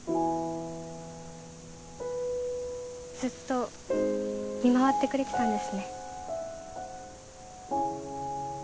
ずっと見回ってくれてたんですね。